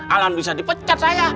alhamdulillah bisa dipecat saya